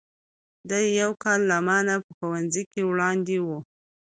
دی یو کال له ما نه په ښوونځي کې وړاندې و.